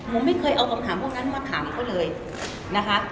ผมไม่เคยเอาคำถามพวกนั้นมาถามเขาเลยนะคะ